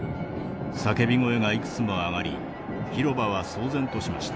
叫び声がいくつも上がり広場は騒然としました。